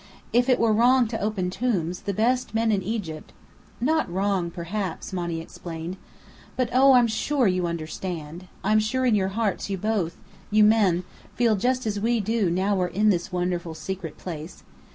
"If it were wrong to open tombs, the best men in Egypt " "Not wrong, perhaps," Monny explained, "but oh, I'm sure you understand. I'm sure in your hearts you both you men feel just as we do now we're in this wonderful secret place.